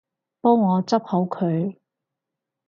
幫我執好佢